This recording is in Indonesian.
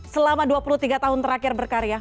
selama dua puluh tiga tahun terakhir berkarya